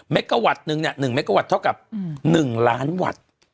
กะวัตต์นึงเนี่ย๑เมกะวัตต์เท่ากับ๑ล้านวัตต์